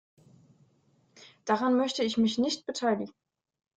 Daran möchte ich mich nicht beteiligen.